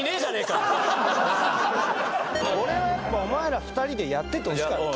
これはやっぱお前ら２人でやっててほしかった。